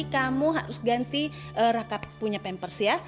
kamu harus ganti rakap punya pampers ya